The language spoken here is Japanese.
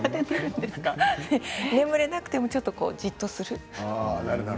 眠れなくてもちょっとじっとする。